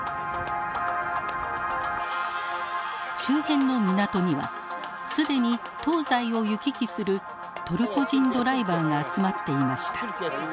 周辺の港には既に東西を行き来するトルコ人ドライバーが集まっていました。